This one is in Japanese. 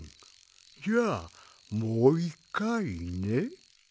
じゃあもういっかいね。